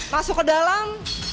masuk ke dalam